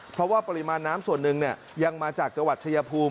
เพราะว่าปริมาณน้ำส่วนหนึ่งยังมาจากจังหวัดชายภูมิ